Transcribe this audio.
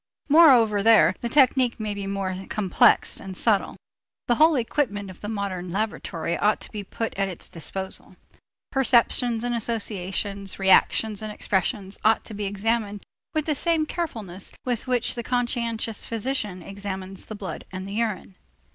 Moreover there the technique may be more complex and subtle. The whole equipment of the modern laboratory ought to be put at its disposal. Perceptions and associations, reactions and expressions ought to be examined with the same carefulness with which the conscientious physician examines the blood and the urine.